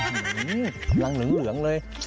อื้อล่างเหลืองเลย